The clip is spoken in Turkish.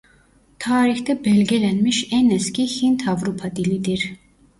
Tarihte belgelenmiş en eski Hint-Avrupa dilidir.